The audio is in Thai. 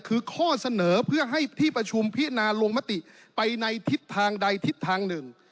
คือข้อเสนอเพื่อให้ที่ประชุมพิจารณาลงมติไปในทิศทางใดทิศทางหนึ่ง